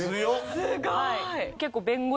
すごい！